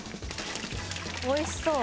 おいしそう。